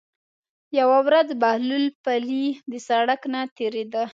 یوه ورځ بهلول پلي د سړک نه تېرېده.